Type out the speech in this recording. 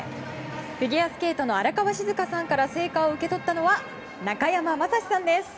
フィギュアスケートの荒川静香さんから聖火を受け取ったのは中山雅史さんです。